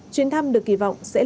chuyên thăm được kỳ vọng sẽ là